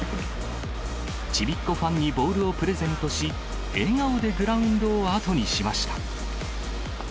ちびっ子ファンにボールをプレゼントし、笑顔でグラウンドを後にしました。